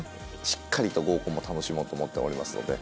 しっかりと合コンも楽しもうと思っておりますので。